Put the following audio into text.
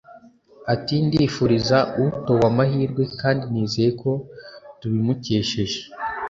Ati” Ndifuriza utowe amahirwe kandi nizeye ko tubimukesheje